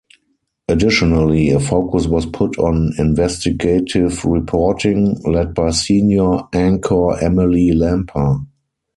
Additionally, a focus was put on investigative reporting, led by Senior Anchor Emily Lampa.